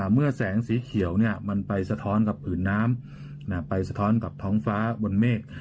เมื่อแสงสีเขียวมันไปสะท้อนกับผืนน้ำไปสะท้อนกับท้องฟ้าบนเมฆ